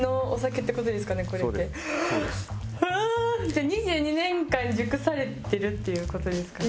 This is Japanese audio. じゃあ２２年間熟されてるっていう事ですかね。